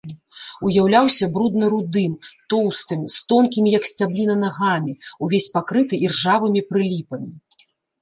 Уяўляўся брудна-рудым, тоўстым, з тонкімі, як сцябліна, нагамі, увесь пакрыты іржавымі прыліпамі.